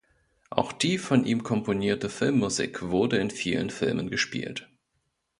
Auch die von ihm komponierte Filmmusik wurde in vielen Filmen gespielt.